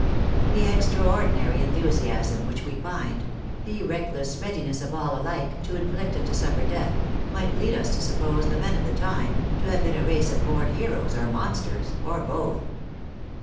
The extraordinary enthusiasm which we find, the reck less readiness of all alike to inflict and to suffer death, might lead us to suppose the men of the time to have been a race of born heroes, or monsters, or both.